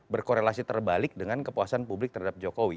berkorelasi terbalik dengan kepuasan publik terhadap jokowi